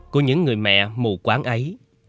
của những người mẹ mù quán ấy